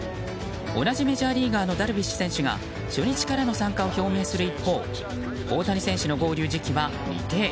同じメジャーリーガーのダルビッシュ選手が初日からの参加を表明する一方大谷選手の合流時期は未定。